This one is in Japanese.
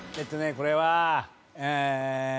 これはえー。